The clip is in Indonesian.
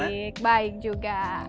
baik baik juga